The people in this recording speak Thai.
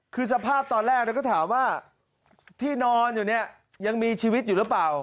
คือสภาพตอนแรกก็ถามว่าที่นอนอยู่เนี่ยยังมีชีวิตอยู่หรือเปล่า